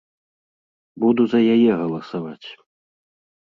Буду за яе галасаваць.